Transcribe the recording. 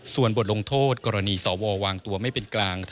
ส่วนบทลงโทษกรณีสววางตัวไม่เป็นกลาง